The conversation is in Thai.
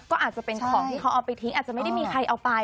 ก็อาจจะเป็นของที่เขาเอาไปทิ้งอาจจะไม่ได้มีใครเอาไป